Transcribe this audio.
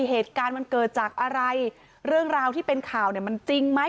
เหตุการณ์มันเกิดจากอะไรเรื่องราวที่เป็นข่าวเนี่ยมันจริงไหม